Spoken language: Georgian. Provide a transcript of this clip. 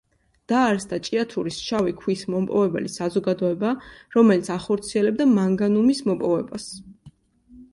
დაარსდა ჭიათურის შავი ქვის მომპოვებელი საზოგადოება, რომელიც ახორციელებდა მანგანუმის მოპოვებას.